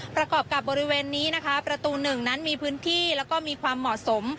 ประกอบกับบริเวณนี้นะคะประตูหนึ่งนั้นมีพื้นที่แล้วก็มีความเหมาะสม